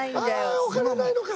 ああお金ないのか。